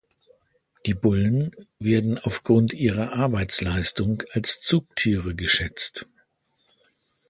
Die Bullen werden aufgrund ihrer Arbeitsleistung als Zugtiere geschätzt.